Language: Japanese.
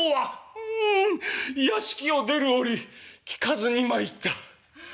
「うん屋敷を出る折聞かずに参った」。